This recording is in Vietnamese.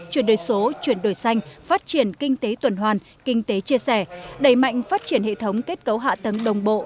chuyển đổi số chuyển đổi xanh phát triển kinh tế tuần hoàn kinh tế chia sẻ đẩy mạnh phát triển hệ thống kết cấu hạ tầng đồng bộ